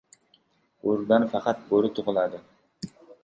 • Bo‘ridan faqat bo‘ri tug‘iladi.